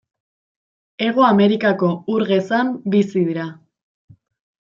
Hego Amerikako ur gezan bizi dira.